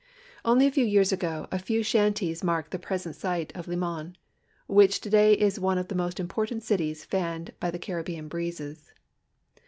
Only a few years atio a few shanties marked th<> jiresent site of Limon, which today is one of the most important cities fanned by the Caribbean breezes.